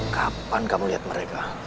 kapan kamu lihat mereka